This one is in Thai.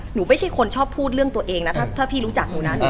หนูไม่ใช่คนชอบพูดเรื่องตัวเองนะ